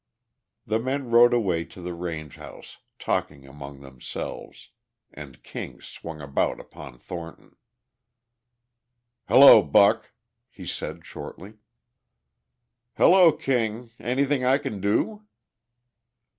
The men rode away to the range house talking among themselves, and King swung about upon Thornton. "Hello, Buck," he said shortly. "Hello, King. Anything I can do?"